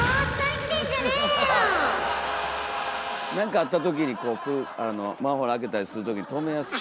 なんかあったときにこうマンホール開けたりするときとめやすい。